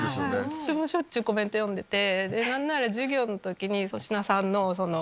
私もしょっちゅうコメント読んでて。